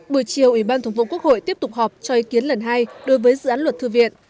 buổi chiều ủy ban thống vụ quốc hội tiếp tục họp cho ý kiến lần hai đối với dự án luật thư viện